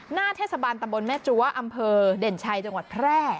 หน้าเทศบาลตำบลแม่จั๊วอำเภอเด่นชัยจังหวัดแพร่